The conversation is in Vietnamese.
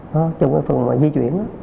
nó trong cái phần mà di chuyển đó